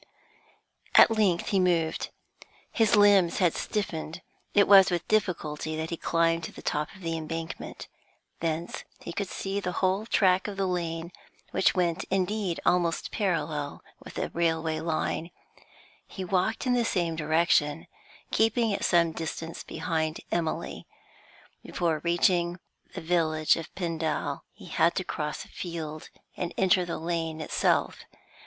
At length he moved. His limbs had stiffened; it was with difficulty that he climbed to the top of the embankment. Thence he could see the whole track of the lane, which went, indeed, almost parallel with the railway line. He walked in the same direction, keeping at some distance behind Emily. Before reaching the village of Pendal, he had to cross a field, and enter the lane itself.